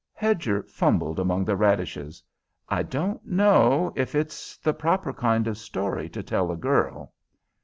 Hedger fumbled among the radishes. "I don't know if it's the proper kind of story to tell a girl."